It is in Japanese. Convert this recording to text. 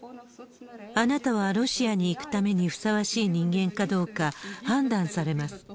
あなたはロシアに行くためにふさわしい人間かどうか、判断されます。